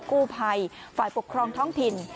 กู้ภัยฝ่ายปกครองท้องถิ่น